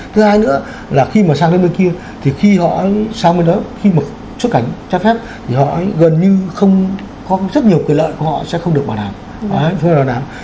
thứ hai nữa là khi mà sang đến nơi kia thì khi họ sang bên đó khi mà xuất cảnh chấp pháp thì họ gần như không có rất nhiều cái lợi của họ sẽ không được bảo đảm